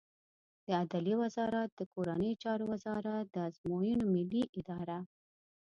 د عدلیې وزارت د کورنیو چارو وزارت، د ازموینو ملی اداره